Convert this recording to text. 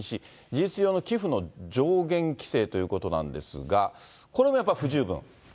事実上の寄付の上限規制ということなんですが、これもやっぱり不十分？